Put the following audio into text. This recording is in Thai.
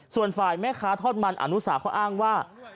ส่วนฝ่ายแม่ค้าทอดมันอนุสาเขาอ้างว่า